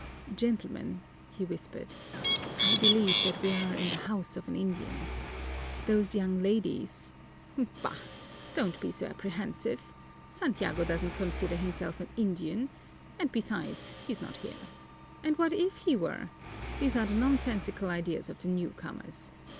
"Gentlemen," he whispered, "I believe that we are in the house of an Indian. Those young ladies " "Bah, don't be so apprehensive! Santiago doesn't consider himself an Indian and besides, he's not here. And what if he were! These are the nonsensical ideas of the newcomers.